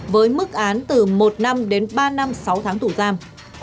với mức án từ một năm đến ba năm sáu tháng tù giam